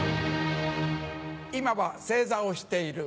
今は正座をしている。